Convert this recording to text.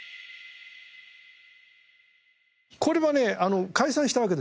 これはねあの解散したわけですよ